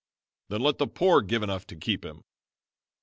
"Then let the poor give enough to keep him."